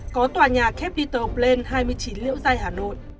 có tòa nhà capital bland hai mươi chín liễu giai hà nội